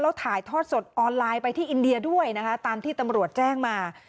แล้วถ่ายทอดสดออนไลน์ไปที่อินเดียด้วยนะคะตามที่ตำรวจแจ้งมา